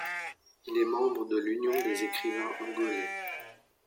Il est membre de l'Union des écrivains angolais.